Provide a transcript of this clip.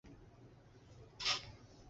该队现在参加西班牙足球丙级联赛。